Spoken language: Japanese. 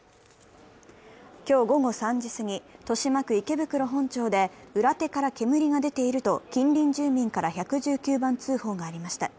今日午後３時すぎ、豊島区池袋本町で裏手から煙が出ていると近隣住民から１１９番通報がありました。